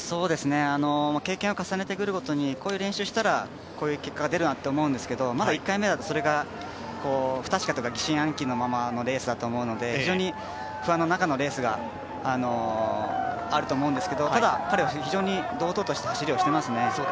経験を重ねてくるごとにこういう練習をしたらこういう結果が出るなと思うんですけどまだ１回目だとそれが不確か、疑心暗鬼のままのレースだと思うので非常に不安の中のレースがあると思うんですけどただ、彼は非常に堂々とした走りをしていますね。